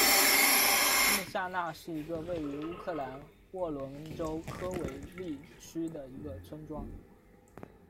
穆夏那是一个位于乌克兰沃伦州科韦利区的一个村庄。